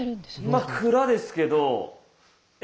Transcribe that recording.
まあ蔵ですけれどえ？